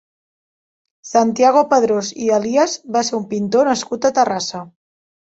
Santiago Padrós i Elías va ser un pintor nascut a Terrassa.